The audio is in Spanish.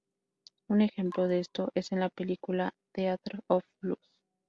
Un ejemplo de esto es en la película "Theatre of Blood".